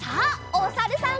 おさるさん。